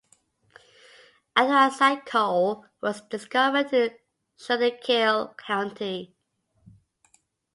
Anthracite coal was discovered in Schuylkill County.